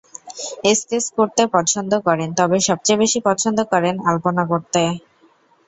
Sketch করতে পছন্দ করেন, তবে সবচেয়ে বেশি পছন্দ করেন আলপনা করতে।